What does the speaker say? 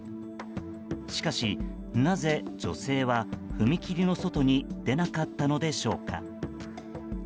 しかし、なぜ女性は踏切の外に出なかったのでしょうか。